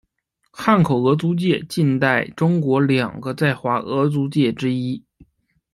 汉口俄租界近代中国两个在华俄租界之一。